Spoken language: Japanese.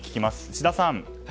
智田さん。